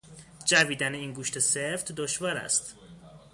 جویدن این گوشت سفت دشوار است.